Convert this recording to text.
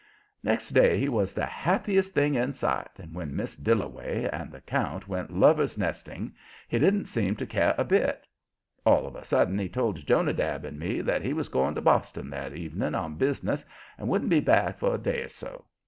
Next day he was the happiest thing in sight, and when Miss Dillaway and the count went Lover's Nesting he didn't seem to care a bit. All of a sudden he told Jonadab and me that he was going up to Boston that evening on bus'ness and wouldn't be back for a day or so.